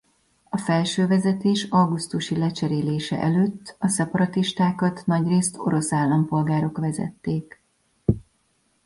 A felső vezetés augusztusi lecserélése előtt a szeparatistákat nagyrészt orosz állampolgárok vezették.